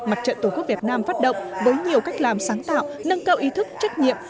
mặt trận tổ quốc việt nam phát động với nhiều cách làm sáng tạo nâng cao ý thức trách nhiệm